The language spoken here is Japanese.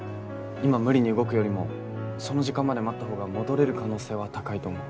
今無理に動くよりもその時間まで待った方が戻れる可能性は高いと思う。